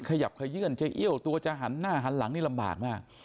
ขยื่อนจะเอี้ยวตัวจะหันหน้าหันหลังนี่ลำบากมาก